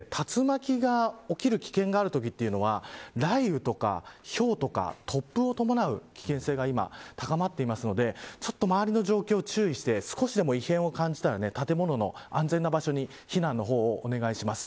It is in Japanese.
出ていますのでこれ非常に大気が不安定で竜巻が起きる危険があるときというのは雷雨とか、ひょうとか突風を伴う危険性が今、高まっているので周りの状況に注意して少しでも異変を感じたら、建物の安全な場所に避難をお願いします。